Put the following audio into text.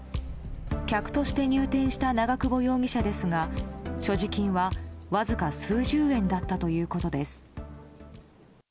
客として入店した長久保容疑者ですが所持金は、わずか数十円だったということです。